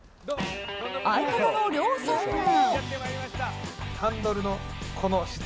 相方の亮さんも。